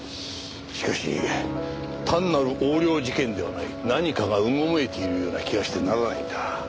しかし単なる横領事件ではない何かがうごめいているような気がしてならないんだ。